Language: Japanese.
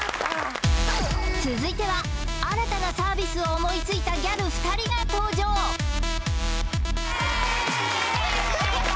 続いては新たなサービスを思いついたギャル２人が登場イエーイ！